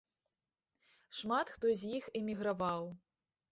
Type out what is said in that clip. Шмат хто з іх эміграваў.